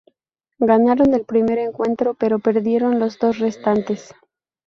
Ganaron el primer encuentro pero perdieron los dos restantes.